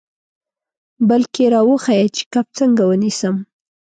بلکې را وښیه چې کب څنګه ونیسم.